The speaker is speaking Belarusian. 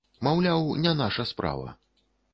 Маўляў, не наша справа.